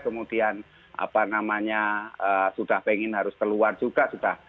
kemudian sudah pengen harus keluar juga